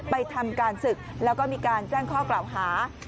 ทำการศึกแล้วก็มีการแจ้งข้อกล่าวหา